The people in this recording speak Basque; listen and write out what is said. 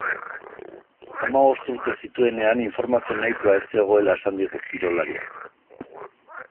Hamabost urte zituenean informazio nahikoa ez zegoela esan digu kirolariak.